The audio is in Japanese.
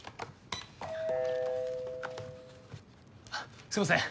あっすいません